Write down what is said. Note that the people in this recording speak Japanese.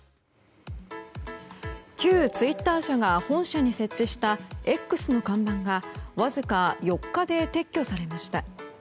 旧ツイッター社が本社に設置した「Ｘ」の看板が、わずか４日で撤去されました。